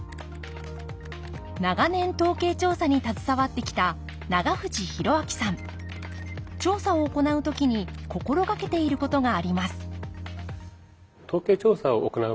長年統計調査に携わってきた調査を行う時に心掛けていることがあります